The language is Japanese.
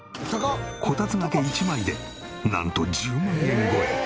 こたつ掛け１枚でなんと１０万円超え！